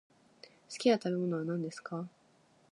好きな食べ物は何ですか。